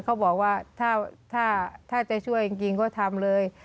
เขาบอกว่าถ้าถ้าถ้าจะช่วยจริงจริงก็ทำเลย